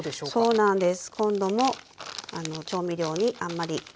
そうなんです。